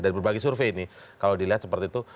dan berbagai survei ini kalau dilihat seperti itu